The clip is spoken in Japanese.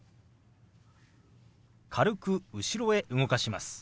軽く後ろへ動かします。